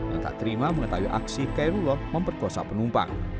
dan tak terima mengetahui aksi khairullah memperkosa penumpang